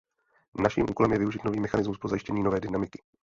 Naším úkolem je využít nový mechanismus pro zajištění nové dynamiky.